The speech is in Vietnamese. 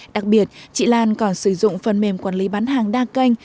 đặc biệt chị lan còn sử dụng phần mềm quản lý bán hàng đa kênh